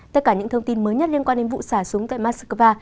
tất cả những thông tin mới nhất liên quan đến vụ xả súng tại moscow